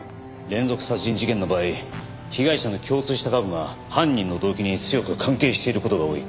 連続殺人事件の場合被害者の共通した過去が犯人の動機に強く関係している事が多い。